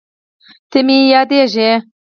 ته مې یادېږې